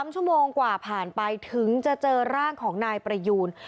๓ชั่วโมงกว่าผ่านไปถึงจะเจอร่างของนายประยูน